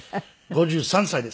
５３歳です。